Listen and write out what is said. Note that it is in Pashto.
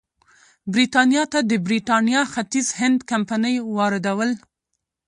برېټانیا ته د برېټانیا ختیځ هند کمپنۍ واردول.